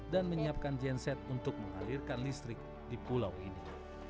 dan menyiapkan genset untuk mengalirkan listrik di pulau ini